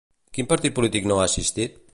Quin partit polític no ha assistit?